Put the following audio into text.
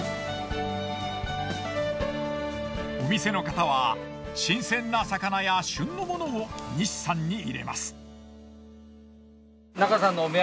お店の方は新鮮な魚や旬のものを西さんに入れます。